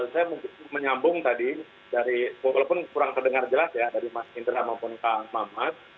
saya menyambung tadi walaupun kurang terdengar jelas ya dari mas indra maupun mas mamat